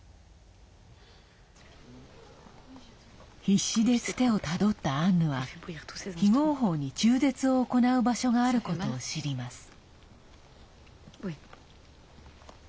必死で、つてをたどったアンヌは非合法に中絶を行う場所があることを知ります。